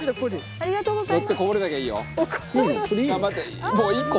ありがとうございます！